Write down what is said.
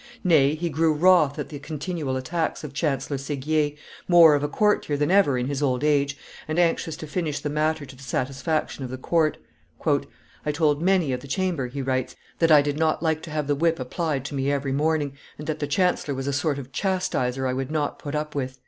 Nay, he grew wroth at the continual attacks of Chancellor Seguier, more of a courtier than ever in his old age, and anxious to finish the matter to the satisfaction of the court. "I told many of the Chamber," he writes, "that I did not like to have the whip applied to me every morning, and that the chancellor was a sort of chastiser I would not put up with."